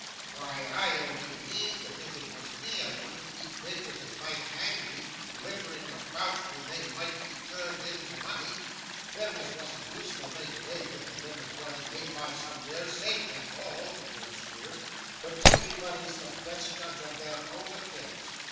'Why, I only mean that if it was me, I wouldn't keep papers as might hang me, littering about when they might be turned into money them as wasn't useful made away with, and them as was, laid by somewheres, safe; that's all,' returned Squeers; 'but everybody's the best judge of their own affairs.